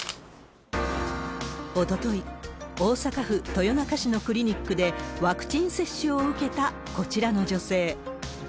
おととい、大阪府豊中市のクリニックでワクチン接種を受けたこちらの女性。